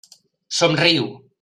Somriu.